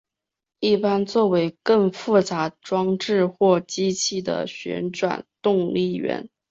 一般作为更复杂装置或机器的旋转动力源。